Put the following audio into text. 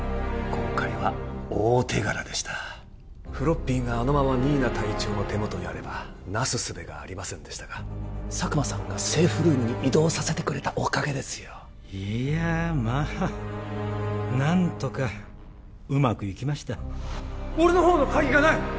今回は大手柄でしたフロッピーがあのまま新名隊長の手元にあればなすすべがありませんでしたが佐久間さんがセーフルームに移動させてくれたおかげですよいやまあ何とかうまくいきました俺のほうの鍵がない！